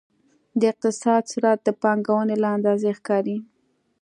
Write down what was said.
د اقتصاد سرعت د پانګونې له اندازې ښکاري.